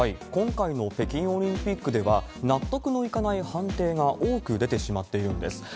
今回の北京オリンピックでは、納得のいかない判定が多く出てしまっているんです。